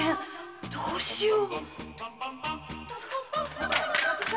どうしよう。